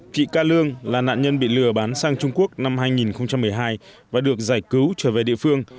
kỵ ca lương là nạn nhân bị lừa bán sang trung quốc năm hai nghìn một mươi hai và được giải cứu trở về địa phương